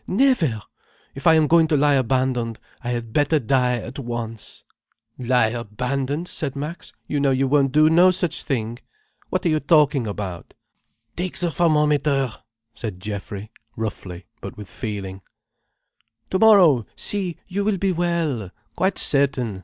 Never. If I am going to lie abandoned, I had better die at once." "Lie abandoned!" said Max. "You know you won't do no such thing. What are you talking about?" "Take the thermometer," said Geoffrey roughly, but with feeling. "Tomorrow, see, you will be well. Quite certain!"